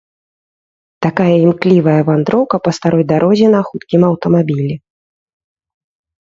Такая імклівая вандроўка па старой дарозе на хуткім аўтамабілі.